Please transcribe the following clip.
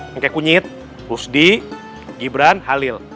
yang kayak kunyit rusdi gibran halil